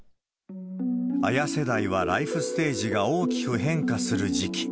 ＡＹＡ世代はライフステージが大きく変化する時期。